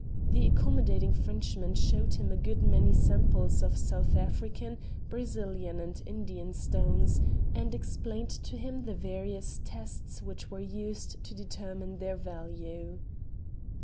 The accommodating Frenchman showed him a good many samples of South African, Brazilian, and Indian stones, and explained to him the various tests which were used to determine their value.